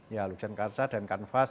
ya lukisan kaca dan kanvas